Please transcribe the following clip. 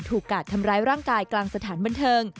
กาดทำร้ายร่างกายกลางสถานบันเทิง